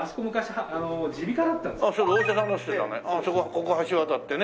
ここ橋渡ってね。